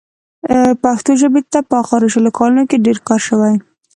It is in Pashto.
پښتو ژبې ته په اخرو شلو کالونو کې ډېر کار شوی.